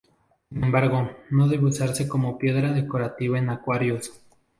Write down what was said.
Sin embargo, no debe usarse como piedra decorativa en acuarios.